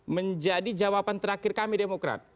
menjadi jawaban terakhir kami demokrat